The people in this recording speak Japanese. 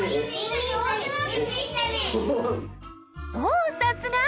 おさすが！